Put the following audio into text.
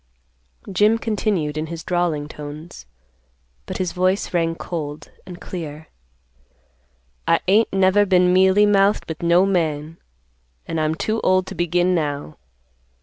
Jim continued, in his drawling tones, but his voice rang cold and clear, "I ain't never been mealy mouthed with no man, and I'm too old to begin now.